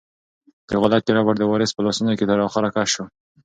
د غولکې ربړ د وارث په لاسونو کې تر اخره کش شو.